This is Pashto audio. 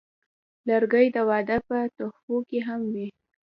لرګی د واده په تحفو کې هم وي.